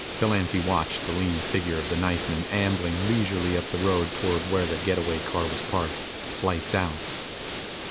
Delancy watched the lean figure of the knifeman ambling leisurely up the road toward where the get away car was parked, lights out.